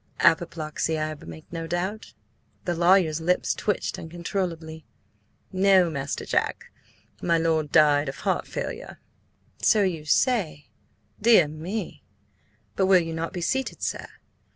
Apoplexy, I make no doubt?" The lawyer's lips twitched uncontrollably. "No, Master Jack; my lord died of heart failure." "Say you so? Dear me! But will you not be seated, sir?